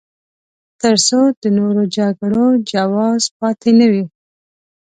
تر څو د نورو جګړو جواز پاتې نه وي.